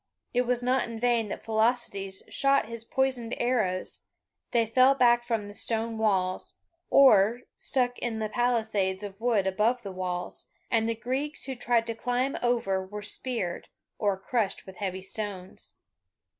It was in vain that Philoctetes shot his poisoned arrows, they fell back from the stone walls, or stuck in the palisades of wood above the walls, and the Greeks who tried to climb over were speared, or crushed with heavy stones.